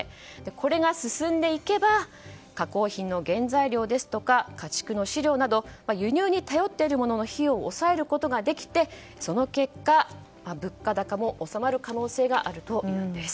これが進んでいけば加工品の原材料ですとか家畜の飼料など輸入に頼っているものの費用を抑えることができてその結果物価高も収まる可能性があるというんです。